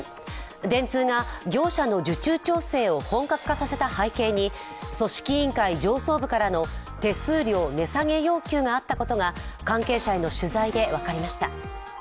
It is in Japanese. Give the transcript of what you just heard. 電通が業者の受注調整を本格化させた背景に組織委員会上層部からの手数料値下げ要求があったことが関係者への取材で分かりました。